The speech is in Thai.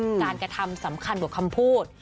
การกระทำสำคัญกว่าคำพูด